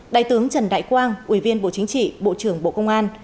đại tướng trần đại quang ủy viên bộ chính trị bộ trưởng bộ công an